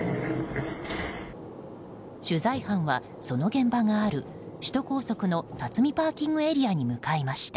取材班はその現場がある首都高速の辰巳ＰＡに向かいました。